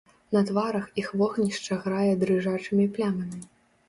На тварах іх вогнішча грае дрыжачымі плямамі.